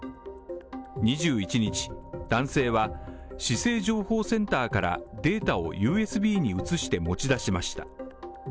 ２１日、男性は市政情報センターからデータをＵＳＢに移して持ち出しました。